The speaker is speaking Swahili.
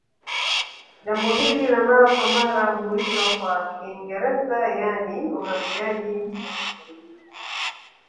Jambo hili la mara kwa mara huitwa kwa Kiingereza yaani uhamiaji mviringo Nyumbu